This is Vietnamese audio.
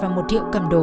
về phần discomfort